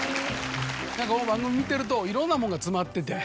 何か番組見てるといろんなもんが詰まってて。